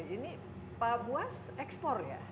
ini pak buas ekspor ya